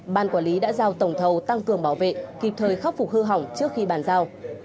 ban quản lý đã giao tổng thầu tăng cường bảo vệ kịp thời khắc phục hư hỏng trước khi bàn giao